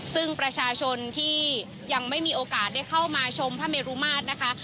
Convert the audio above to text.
ซึ่งประชาชนที่ยังไม่มีโอกาสได้เข้ามาชมพระเมรุมาตรนะคะ